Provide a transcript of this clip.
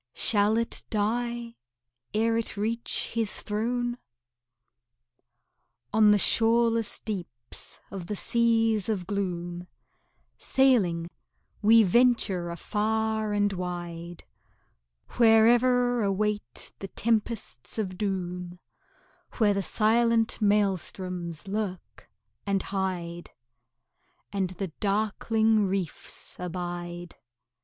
Shall it die ere it reach His throne? On the shoreless deeps of the seas of gloom Sailing, we venture afar and wide, Where ever await the tempests of doom, Where the silent maelstroms lurk and hide, And the darkling reefs abide.